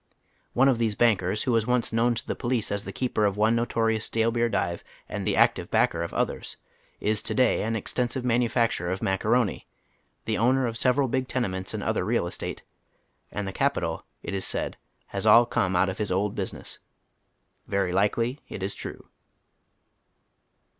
One of these banliers, who was once known to the police as the oy Google A EAID OH THE STALE BEBR DIVES, 17 keeper of one notorious stale beer dive and the active backer of others, is to day an extensive manufaetiirer of macaroni, the owner of several big tenements and other real estate ; and the capital, it is said, has all come out of his old business. Very likely it is true.